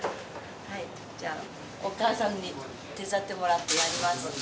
はいじゃあお母さんに手伝ってもらってやります。